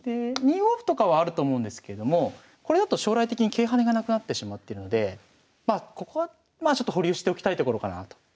２五歩とかはあると思うんですけれどもこれだと将来的に桂跳ねがなくなってしまってるのでここはちょっと保留しておきたいところかなあと。